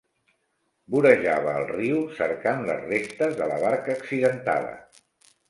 Vorejava el riu cercant les restes de la barca accidentada.